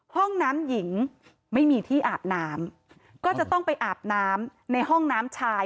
ห้องน้ำหญิงไม่มีที่อาบน้ำก็จะต้องไปอาบน้ำในห้องน้ำชาย